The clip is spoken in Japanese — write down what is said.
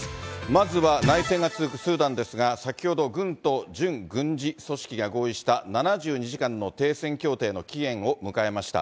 まずは内戦が続くスーダンですが、先ほど軍と準軍事組織が合意した７２時間の停戦協定の期限を迎えました。